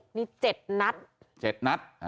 นี่๗นัด